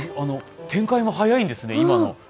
展開が速いんですね、今の。